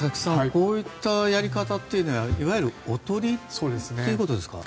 こういったやり方というのはいわゆるおとりということですか。